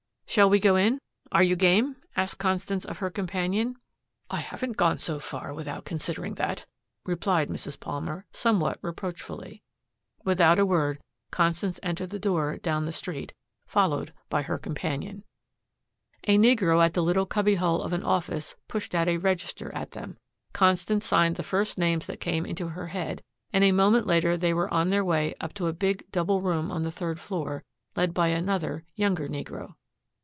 "Shall we go in? Are you game?" asked Constance of her companion. "I haven't gone so far without considering that," replied Mrs. Palmer, somewhat reproachfully. Without a word Constance entered the door down the street followed by her companion. A negro at the little cubby hole of an office pushed out a register at them. Constance signed the first names that came into her head, and a moment later they were on their way up to a big double room on the third floor, led by another, younger negro.